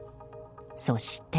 そして。